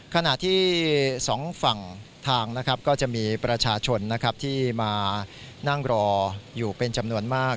ขณะที่สองฝั่งทางก็จะมีประชาชนที่มานั่งรออยู่เป็นจำนวนมาก